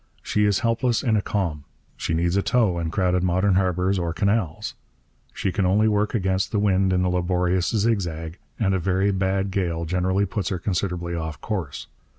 She is helpless in a calm. She needs a tow in crowded modern harbours or canals. She can only work against the wind in a laborious zigzag, and a very bad gale generally puts her considerably off her course.